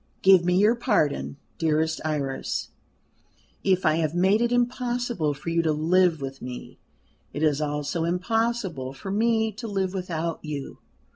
Give me your pardon, dearest Iris. If I have made it impossible for you to live with me, it is also impossible for me to live without you.